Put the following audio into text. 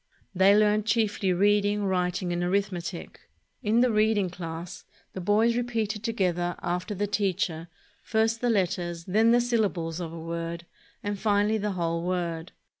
They learned chiefly reading, writing, and arithmetic. In the reading class, the boys repeated together after the teacher, first the letters, then the syllables of a word, and finally the whole word.